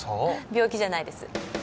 病気じゃないです